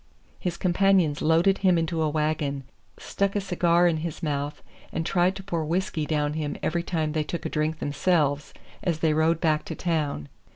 His companions loaded him into a wagon, stuck a cigar in his mouth, and tried to pour whiskey down him every time they took a drink themselves as they rode back to town.